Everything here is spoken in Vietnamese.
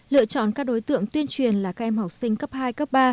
lựa chọn các đối tượng tuyên truyền là các em học sinh cấp hai cấp ba